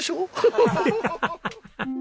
ハハハハハ！